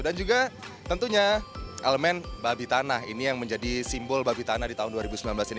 dan juga tentunya elemen babi tanah ini yang menjadi simbol babi tanah di tahun dua ribu sembilan belas ini